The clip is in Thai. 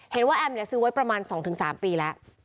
เฮลว่าแอ้มเนี้ยซื้อไว้ประมาณ๒๓ปีและ